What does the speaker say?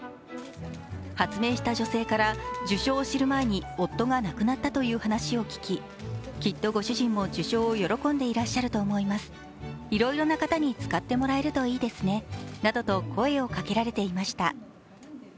発明した女性から受賞を知る前に夫が亡くなったという話を聞ききっとご主人も受賞を喜んでいらっしゃると思います、いろいろな方に使ってもらえるといいですねなどと声をかけられていました。